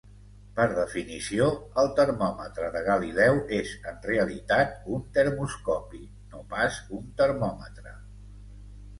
Per definició, el termòmetre de Galileu és en realitat un termoscopi, no pas un termòmetre.